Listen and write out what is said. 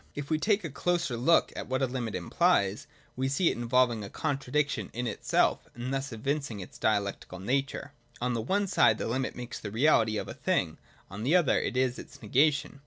If we take a closer look at what a limit implies, we see it involving a contradiction in itself, and thus evincing its dia lectical nature. On the one side the limit makes the reality of a thing ; on the other it is its negation.